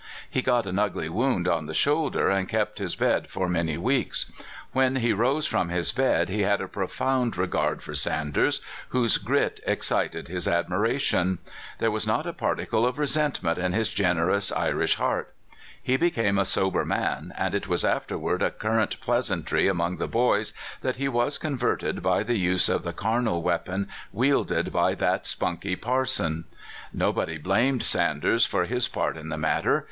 He got an ugly wound on the shoulder, and kept his bed for many weeks. When he rose from his bed he had a profound re gard for Sanders, whose grit excited his admira tion. There was not a particle of resentment in his generous Irish heart. He became a sober man, and it was afterward a current pleasantry among the "boys' 7 that he was converted by the use of the carnal weapon widded by that spunky parson. Nobody blamed Sanders for his part in the matter.